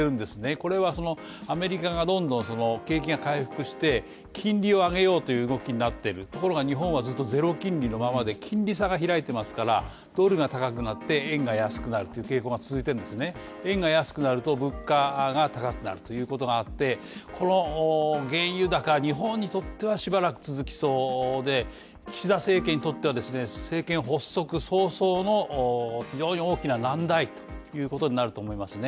これはアメリカがどんどん景気が回復して金利を上げようという動きになっているところが日本はずっと０金利のままで金利差が開いてますから、ドルが高くなって円が安くなるという傾向が続いて、円が安くなると物価が高くなるということがあって、この原油高日本にとってはしばらく続きそうで、岸田政権にとっては政権発足早々の非常に大きな難題ということになると思いますね。